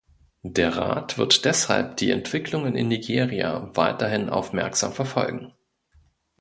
Der Rat wird deshalb die Entwicklungen in Nigeria weiterhin aufmerksam verfolgen.